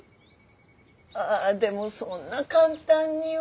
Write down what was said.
ああでもそんな簡単には。